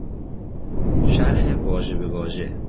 شرح واژه به واژه